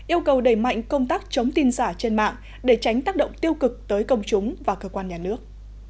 yêu cầu đẩy mạnh công tác chống tin giả trên mạng để tránh tác động tiêu cực tới công chúng và cơ quan nhà nước